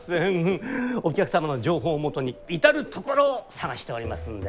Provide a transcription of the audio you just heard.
お客様の情報をもとに至る所を探しておりますので。